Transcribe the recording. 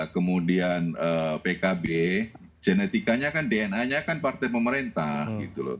kemudian pkb genetikanya kan dna nya kan partai pemerintah